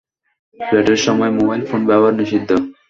ফ্লাইটের সময় mobile phone ব্যবহার নিষিদ্ধ।